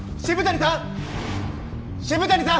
渋谷さん！